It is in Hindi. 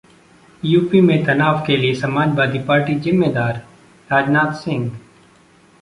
यूपी में तनाव के लिए समाजवादी पार्टी जिम्मेदार: राजनाथ सिंह